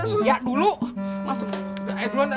iya dulu masuk